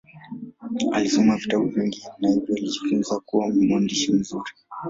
Alisoma vitabu vingi na hivyo alijifunza kuwa mwandishi mzuri.